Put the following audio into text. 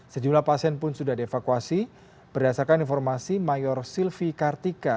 sejumlah pasien pun sudah dievakuasi berdasarkan informasi mayor silvi kartika